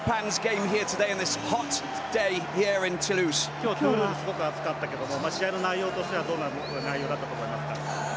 今日、トゥールーズすごく暑かったけれども試合の内容としてはどんな内容だったと思いますか。